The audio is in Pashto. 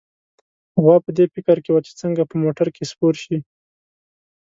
غوا په دې فکر کې وه چې څنګه په موټر کې سپور شي.